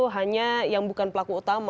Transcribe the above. hanya yang bukan pelaku utama